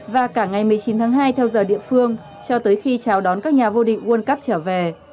và cả ngày một mươi chín tháng hai theo giờ địa phương cho tới khi chào đón các nhà vô địch world cup trở về